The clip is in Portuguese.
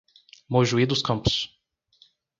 Mojuí dos Campos